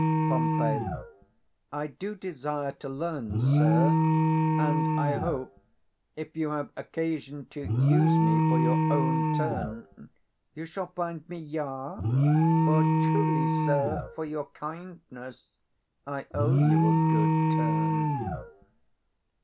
50 Pom. I do desire to learn, sir: and I hope, if you have occasion to use me for your own turn, you shall find me yare; for, truly, sir, for your kindness I owe you a good turn.